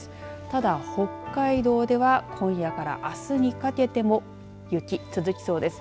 ただ、北海道では今夜から、あすにかけても雪、続きそうです。